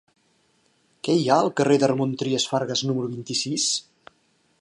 Què hi ha al carrer de Ramon Trias Fargas número vint-i-sis?